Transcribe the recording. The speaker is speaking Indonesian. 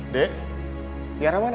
dek tiara mana ya